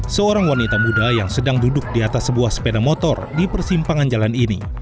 seorang wanita muda yang sedang duduk di atas sebuah sepeda motor di persimpangan jalan ini